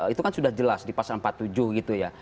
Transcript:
itu kan sudah jelas di pasal empat puluh tujuh gitu ya